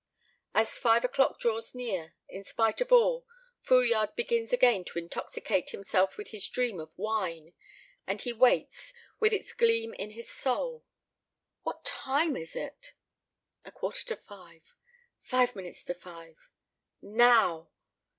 As five o'clock draws near, in spite of all, Fouillade begins again to intoxicate himself with his dream of wine, and he waits, with its gleam in his soul. What time is it? A quarter to five. Five minutes to five. Now!